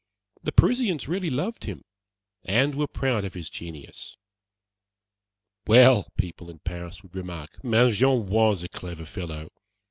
The Parisians really loved him, and were proud of his genius. "Well," people in Paris would remark, "Mangin was a clever fellow.